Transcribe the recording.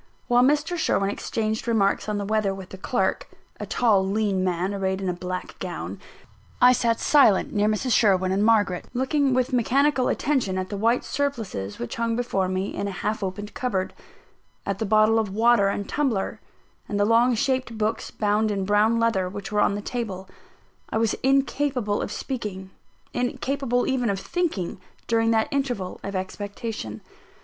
While Mr. Sherwin exchanged remarks on the weather with the clerk, (a tall, lean man, arrayed in a black gown), I sat silent, near Mrs. Sherwin and Margaret, looking with mechanical attention at the white surplices which hung before me in a half opened cupboard at the bottle of water and tumbler, and the long shaped books, bound in brown leather, which were on the table. I was incapable of speaking incapable even of thinking during that interval of expectation.